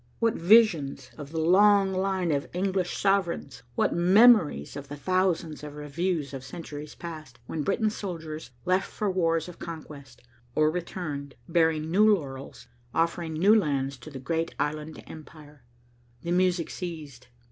What visions of the long line of English sovereigns! What memories of the thousands of reviews of centuries past, when Britain's soldiers left for wars of conquest, or returned, bearing new laurels, offering new lands to the great island empire! The music ceased.